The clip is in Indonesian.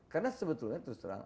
karena sebetulnya terus terang